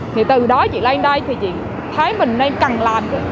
thì từ đó chị lên đây thì chị thấy mình nên cần làm